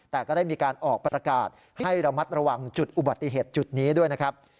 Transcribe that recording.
แต่ก็ได้มีการออกประกาศให้ระมัดระวังจุดอุบัติเหตุจุดนี้ด้วยนะครับ